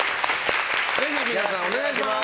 ぜひ皆さんお願いします。